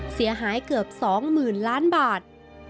เสียหายเกือบ๒๐๐๐ล้านบาท